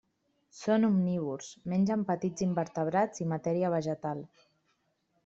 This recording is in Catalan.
Són omnívors: mengen petits invertebrats i matèria vegetal.